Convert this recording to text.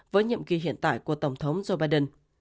với nhiệm kỳ hiện tại của tổng thống joe biden